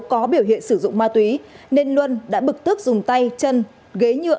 có biểu hiện sử dụng ma túy nên luân đã bực tức dùng tay chân ghế nhựa